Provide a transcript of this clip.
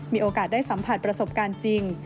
มีโอกาสได้สัมผัสประสบการณ์จริง